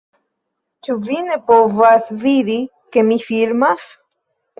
Ĉu vi ne povas vidi, ke mi filmas?